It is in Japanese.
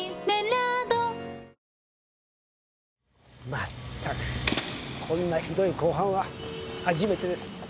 まったくこんなひどい公判は初めてです。